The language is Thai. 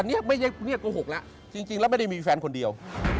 เนี่ยโกหกแล้วจริงแล้วไม่ได้มีแฟนคนเดียว